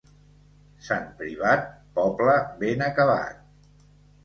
Sant Privat, poble ben acabat.